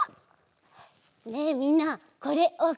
ねえみんなこれわかる？